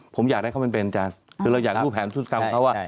ผมอยากให้เขามันเป็นอาจารย์คือเราอยากรู้แผนชุดกรรมเขา